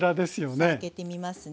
さあ開けてみますね。